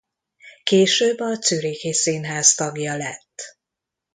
Később a Zürichi Színház tagja lett.